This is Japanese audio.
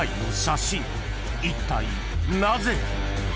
［いったいなぜ？］